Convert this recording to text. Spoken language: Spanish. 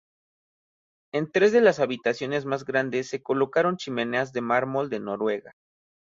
En tres de las habitaciones más grandes se colocaron chimeneas de mármol de Noruega.